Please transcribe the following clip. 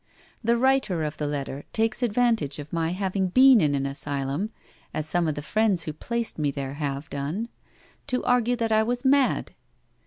The writer of the letter takes advantage of my having been in an asylum, as some of the friends who placed me there have done, to argue that I was mad.